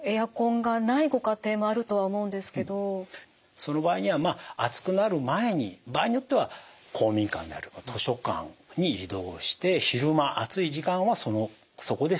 その場合には暑くなる前に場合によっては公民館であるとか図書館に移動して昼間暑い時間はそこで過ごすと。